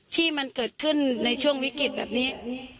ที่มันเกิดขึ้นในช่วงวิกฤตแบบนี้